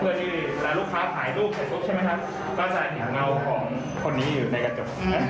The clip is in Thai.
เพื่อที่ลูกค้าถ่ายรูปเสร็จปุ๊บใช่ไหมครับก็จะเห็นเงาของคนนี้อยู่ในกระจก